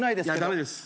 駄目です。